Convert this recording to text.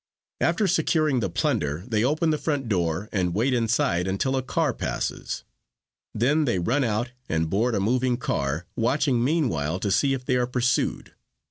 After securing the plunder they open the front door and wait inside until a car passes. Then they run out and board a moving car, watching meanwhile to see if they are pursued.